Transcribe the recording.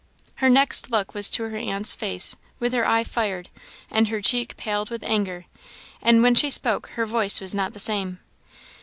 Her next look was to her aunt's face, with her eye fired, and her cheek paled with anger, and when she spoke her voice was not the same.